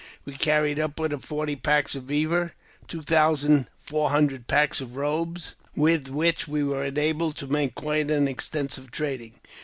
We carried upwards of forty packs of beaver, and two thousand four hundred packs of robes, with which we were enabled to make quite an extensive trading.